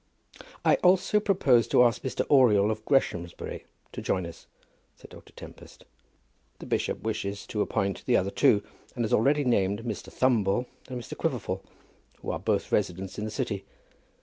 "I also propose to ask Mr. Oriel of Greshamsbury to join us," said Dr. Tempest. "The bishop wishes to appoint the other two, and has already named Mr. Thumble and Mr. Quiverful, who are both residents in the city.